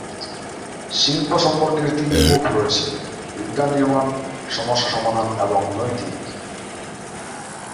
শিল্প সম্পর্কের তিনটি মুখ রয়েছে: বিজ্ঞান নির্মাণ, সমস্যা সমাধান এবং নৈতিক।